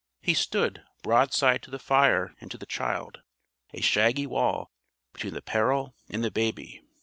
He stood, broadside to the fire and to the child a shaggy wall between the peril and the baby.